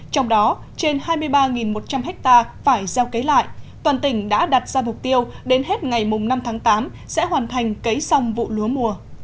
trong đó trên hai mươi ba một trăm linh ha phải gieo cấy lại toàn tỉnh đã đặt ra mục tiêu đến hết ngày năm tháng tám sẽ hoàn thành cấy xong vụ lúa mùa